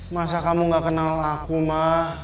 masa kamu gak kenal aku mah